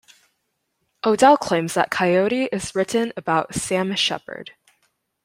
O'Dell claims that "Coyote" is written about Sam Shepard.